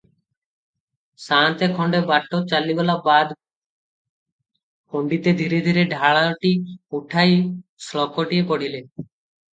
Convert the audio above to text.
ସାଆନ୍ତେ ଖଣ୍ତେ ବାଟ ଚାଲିଗଲା ବାଦ୍ ପଣ୍ତିତେ ଧୀରେ ଧୀରେ ଢାଳଟି ଉଠାଇ ଶ୍ଳୋକଟିଏ ପଢ଼ିଲେ